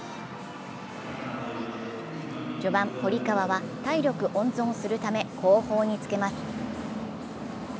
序盤、堀川は体力温存するため、後方につけます。